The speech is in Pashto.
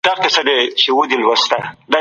د حقیقت موندنه پوره بې طرفۍ ته اړتیا لري.